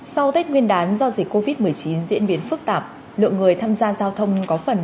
sau tết nguyên đán do dịch covid một mươi chín diễn biến phức tạp lượng người tham gia giao thông có phần